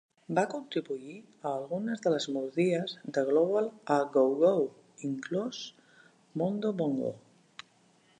Va contribuir a algunes de les melodies de "Global A Go-Go", inclòs "Mondo Bongo".